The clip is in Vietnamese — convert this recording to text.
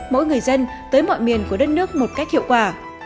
mỗi người dân tới mọi miền của đất nước một cách hiệu quả